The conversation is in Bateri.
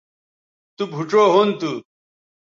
تو بھوڇؤ ھُن تھو